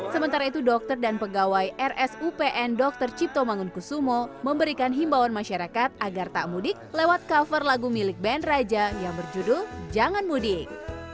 sementara itu dokter dan pegawai rsupn dr cipto mangunkusumo memberikan himbawan masyarakat agar tak mudik lewat cover lagu milik band raja yang berjudul jangan mudik